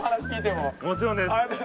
もちろんです。